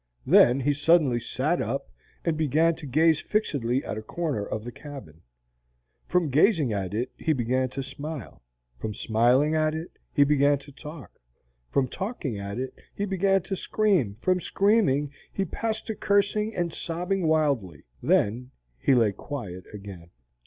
Then he suddenly sat up, and began to gaze fixedly at a corner of the cabin. From gazing at it he began to smile, from smiling at it he began to talk, from talking at it he began to scream, from screaming he passed to cursing and sobbing wildly. Then he lay quiet again.